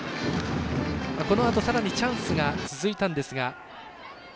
このあと、さらにチャンスが続いたんですが。